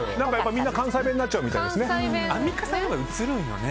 みんな関西弁になっちゃうみたいですね。